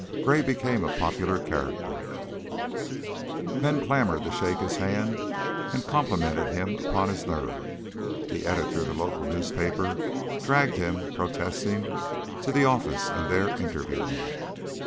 Gray became a popular character; men clamored to shake his hand, and complimented him upon his nerve. The editor of the local newspaper dragged him, protesting, to the office and there interviewed him.